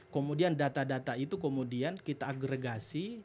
kemudian data data itu kemudian kita agregasi